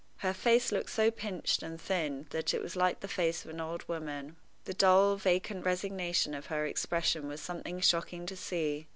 Her face looked so pinched and thin that it was like the face of an old woman. The dull, vacant resignation of her expression was something shocking to see.